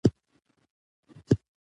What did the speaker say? ته به شکرباسې ځکه چي ښایسته یم